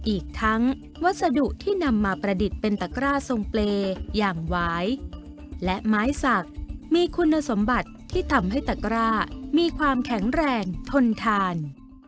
อีกทั้งวัสดุที่นำมาประดิษฐ์เป็นตะกร้าทรงเปรย์อย่างหวายและไม้สักมีคุณสมบัติที่ทำให้ตะกร้ามีความแข็งแรงทนทาน